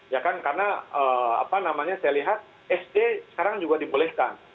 ya kan karena apa namanya saya lihat sd sekarang juga dibolehkan